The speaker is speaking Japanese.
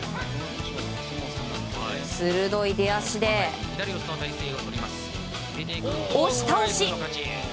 鋭い出足で、押し倒し！